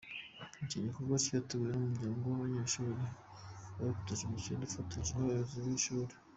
Iki gikorwa cyateguwe n’umuryango w’abanyeshuri barokotse Jenoside ufatanyije n’ubuyobozi bw’ishuri.